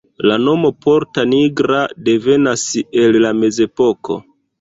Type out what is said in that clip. La nomo "Porta Nigra" devenas el la mezepoko.